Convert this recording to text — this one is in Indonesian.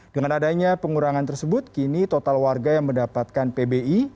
dengan adanya pengurangan tersebut kini total warga yang mendapatkan pbi